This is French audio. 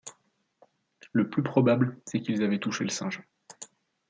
Le plus probable, c’est qu’ils avaient touché le Singe.